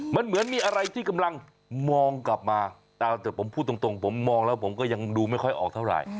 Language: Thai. มันเหมือนมีอะไรที่กำลังมองกลับมาแต่ผมพูดตรงผมมองแล้วผมก็ยังดูไม่ค่อยออกเท่าไหร่